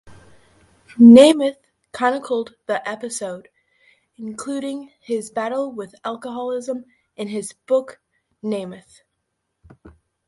Namath chronicled the episode, including his battle with alcoholism in his book, "Namath".